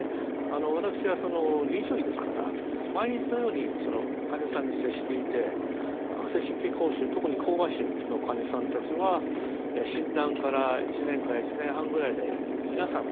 私は臨床医ですから毎日のように患者さんに接していて悪性神経膠腫特に膠芽腫の患者さんたちは診断から１年から１年半ぐらいで皆さん亡くなってしまう。